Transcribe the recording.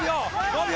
５秒！